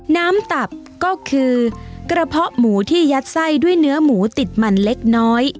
ตับก็คือกระเพาะหมูที่ยัดไส้ด้วยเนื้อหมูติดมันเล็กน้อย